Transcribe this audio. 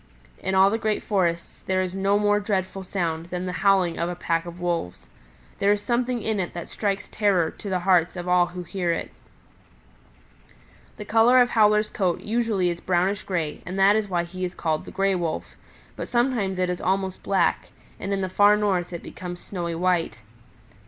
In all the great forests there is no more dreadful sound than the howling of a pack of wolves. There is something in it that strikes terror to the hearts of all who hear it. "The color of Howler's coat usually is brownish gray and that is why he is called the Gray Wolf; but sometimes it is almost black, and in the Far North it becomes snowy white.